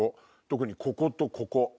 特にこことここ。